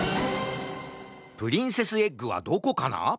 プリンセスエッグはどこかな？